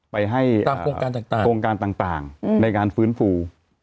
ไปให้โครงการต่างในการฟื้นฟู